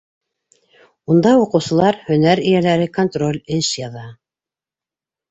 Унда уҡыусылар — һөнәр эйәләре контроль эш яҙа.